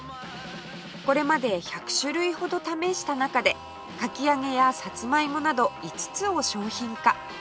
これまで１００種類ほど試した中でかき揚げやさつまいもなど５つを商品化